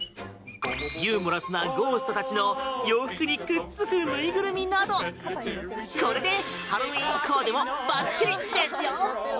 ユーモラスなゴーストたちの洋服にくっつく縫いぐるみなどこれでハロウィーンコーデもばっちりですよ！